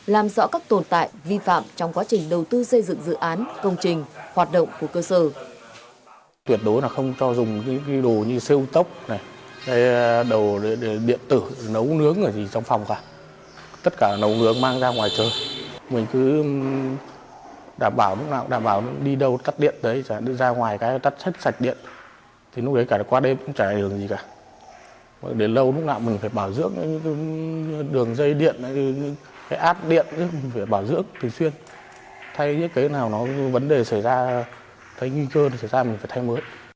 làm rõ các tồn tại vi phạm trong quá trình đầu tư xây dựng dự án công trình hoạt động của cơ sở